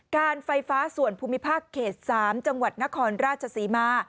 การไฟฟ้าส่วนภูมิภาคเขต๓จังหวัดนครราชศรีมา